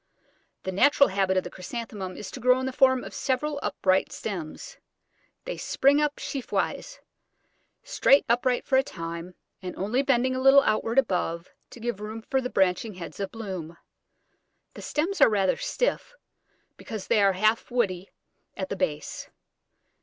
The natural habit of the Chrysanthemum is to grow in the form of several upright stems. They spring up sheaf wise, straight upright for a time, and only bending a little outwards above, to give room for the branching heads of bloom. The stems are rather stiff, because they are half woody at the base.